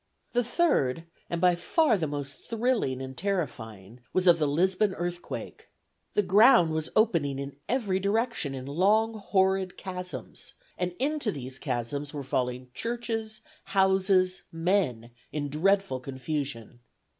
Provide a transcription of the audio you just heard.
The third, and by far the most thrilling and terrifying, was of the Lisbon Earthquake. The ground was opening in every direction in long horrid chasms, and into these chasms were falling churches, houses, men, in dreadful confusion.